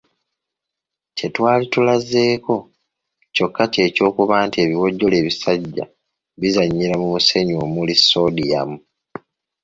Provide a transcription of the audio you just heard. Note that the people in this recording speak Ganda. Kye twali tulazeeko kyokka ky’ekyokuba nti ebiwojjolo ebisajja bizannyira ku musenyu omuli soodiyamu.